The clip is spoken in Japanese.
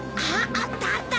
あったあった。